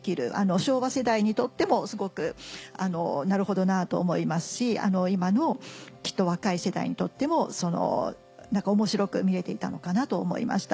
昭和世代にとってもすごくなるほどなと思いますし今のきっと若い世代にとっても何か面白く見れていたのかなと思いました。